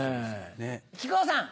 木久扇さん！